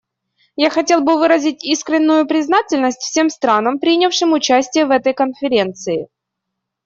Я хотел бы выразить искреннюю признательность всем странам, принявшим участие в этой конференции.